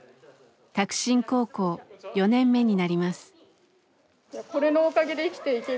拓真高校４年目になります。